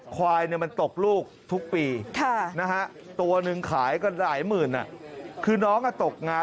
ควายมันตกลูกทุกปีตัวหนึ่งขายกันหลายหมื่นคือน้องตกงาน